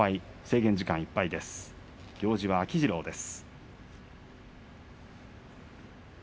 行司は秋治郎です。